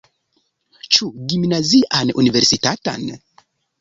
Ĉu gimnazian, universitatan?